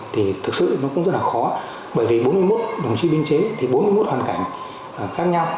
thì thực sự nó cũng rất là khó bởi vì bốn mươi một đồng chí biên chế thì bốn mươi một hoàn cảnh khác nhau